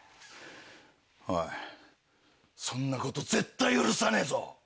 おいそんなこと絶対許さねえぞ！